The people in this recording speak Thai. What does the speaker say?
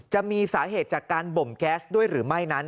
จะมีสาเหตุจากการบ่มแก๊สด้วยหรือไม่นั้น